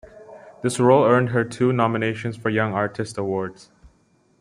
This role earned her two nominations for Young Artist Awards.